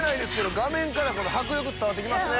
画面から迫力伝わって来ますね。